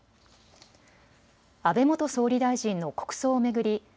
安倍元総理大臣の国葬を巡り